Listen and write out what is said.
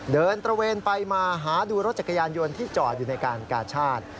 ตระเวนไปมาหาดูรถจักรยานยนต์ที่จอดอยู่ในการกาชาติ